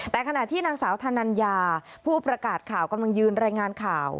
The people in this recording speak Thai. แต่ขณะที่นางสาวธนัญญาผู้ประกาศข่าวกำลังยืนรายงานข่าว